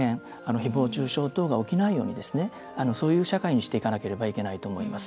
誹謗・中傷等が起きないようにそういう社会にしていかないといけないと思います。